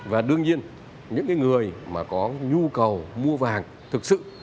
và đương nhiên những người mà có nhu cầu mua vàng thực sự